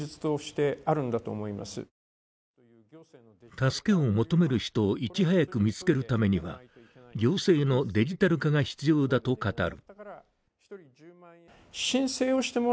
助けを求める人をいち早く見つけるためには行政のデジタル化が必要だと語る。